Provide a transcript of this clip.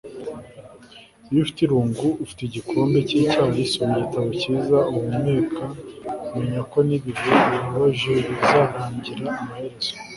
iyo ufite irungu ufite igikombe cy'icyayi soma igitabo cyiza uhumeka menya ko n'ibihe bibabaje bizarangira amaherezo